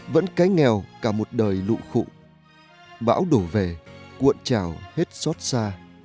vẫn cái nghèo cả một đời lụ bão đổ về cuộn trào hết xót xa